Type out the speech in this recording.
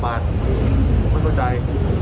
หวัดว่าใจ